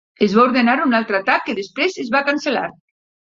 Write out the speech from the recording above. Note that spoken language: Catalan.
Es va ordenar un altre atac que després es va cancel·lar.